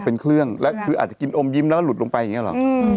เป็นเครื่องแล้วคืออาจจะกินอมยิ้มแล้วก็หลุดลงไปอย่างนี้หรอ